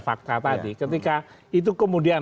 fakta tadi ketika itu kemudian